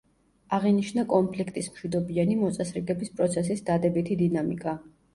აღინიშნა კონფლიქტის მშვიდობიანი მოწესრიგების პროცესის დადებითი დინამიკა.